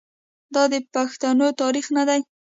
آیا دا د پښتنو تاریخ نه دی؟